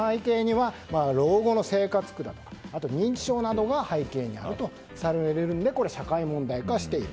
老後の生活苦や認知症などが背景にあるとされるのでこれ、社会問題化している。